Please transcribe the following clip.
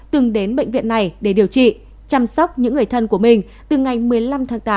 từng đến bệnh viện này để điều trị chăm sóc những người thân của mình từ ngày một mươi năm tháng tám